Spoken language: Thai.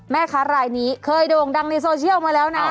แม่ค้ารายนี้เคยโด่งดังในโซเชียลมาแล้วนะ